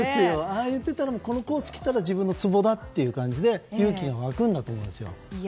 ああ言って、このコースが来たら自分のツボだという感じで勇気が湧くんだと思います。